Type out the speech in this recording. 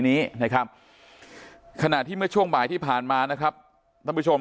นี้นะครับขณะที่เมื่อช่วงบ่ายที่ผ่านมานะครับท่านผู้ชม